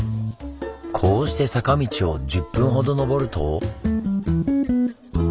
こうして坂道を１０分ほどのぼると。